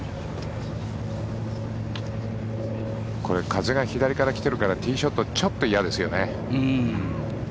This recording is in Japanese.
風が左から来てるからティーショットちょっと嫌ですよね。